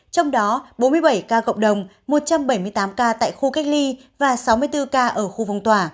trong đó bốn mươi bảy ca cộng đồng một trăm bảy mươi tám ca tại khu cách ly và sáu mươi bốn ca ở khu vùng tòa